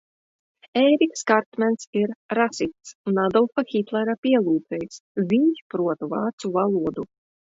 Ēriks Kartmens ir rasists un Ādolfa Hitlera pielūdzējs, viņš prot vācu valodu.